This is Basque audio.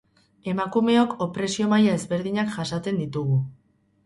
Emakumeok opresio maila ezberdinak jasaten ditugu.